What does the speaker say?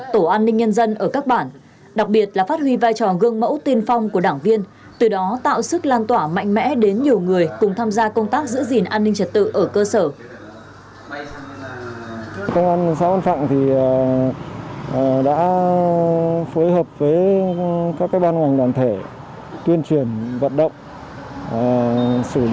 tổ an ninh nhân dân ở các bản đặc biệt là phát huy vai trò gương mẫu tiên phong của đảng viên từ đó tạo sức lan tỏa mạnh mẽ đến nhiều người cùng tham gia công tác giữ gìn an ninh trật tự ở cơ sở